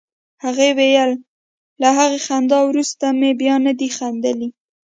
هغه ویل له هغې خندا وروسته مې بیا نه دي خندلي